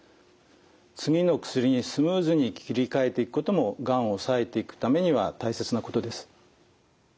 次の薬にスムーズに切り替えていくこともがんを抑えていくためには大切なことです。